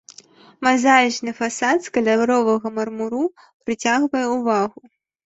Мазаічны фасад з каляровага мармуру прыцягвае ўвагу.